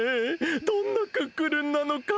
どんなクックルンなのか？